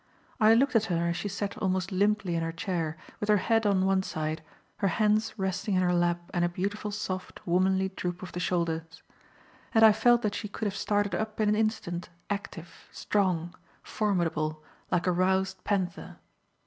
I looked at her as she sat almost limply in her chair, with her head on one side, her hands resting in her lap and a beautiful, soft, womanly droop of the shoulders; and I felt that she could have started up in an instant, active, strong, formidable, like a roused panther.